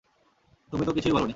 তুমি তো কিছুই বলনি।